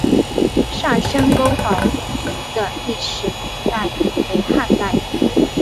上深沟堡墓群的历史年代为汉代。